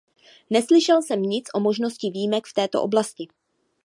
Neslyšel jsem nic o možnosti výjimek v této oblasti.